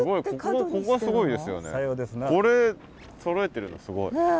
これそろえてるのすごい。